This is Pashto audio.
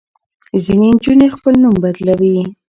ځینې نجونې خپل نوم بدلوي.